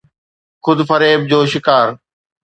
خود فريب جو شڪار.